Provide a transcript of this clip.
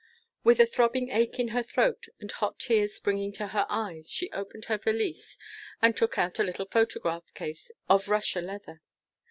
With a throbbing ache in her throat, and hot tears springing to her eyes, she opened her valise and took out a little photograph case of Russia leather.